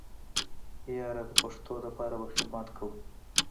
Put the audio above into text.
ياره د پښتو د پاره به خدمت کوو.